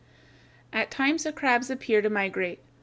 ] At times the crabs appear to migrate.